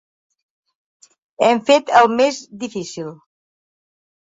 Hem fet el més difícil.